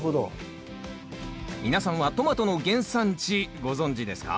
皆さんはトマトの原産地ご存じですか？